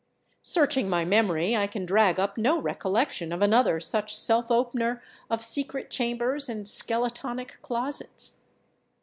Searching my memory, I can drag up no recollection of another such self opener of secret chambers and skeletonic closets.